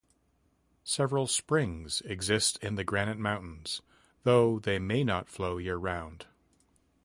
Several springs exist in the Granite Mountains, though they may not flow year round.